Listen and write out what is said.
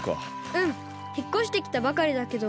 うん。ひっこしてきたばかりだけど。